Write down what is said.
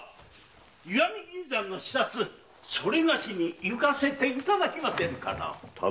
石見銀山の視察それがしに行かせていただけませんかな？